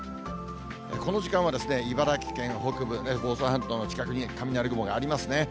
この時間はですね、茨城県北部、房総半島の近くに雷雲がありますね。